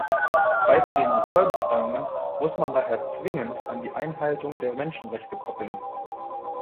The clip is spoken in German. Weitgehende Zollbefreiungen muss man daher zwingend an die Einhaltung der Menschenrechte koppeln.